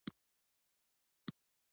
هغوی خپلې ډډې په شړشمو غوړولې